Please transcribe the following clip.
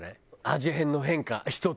味変の変化１つ。